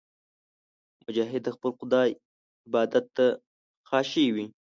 مجاهد د خپل خدای عبادت ته خاشع وي.